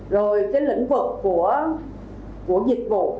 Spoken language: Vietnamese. rồi lĩnh vực của dịch vụ